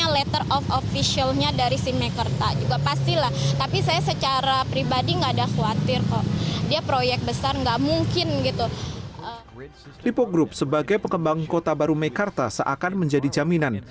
liter of group sebagai pengembang kota baru mekarta seakan menjadi jaminan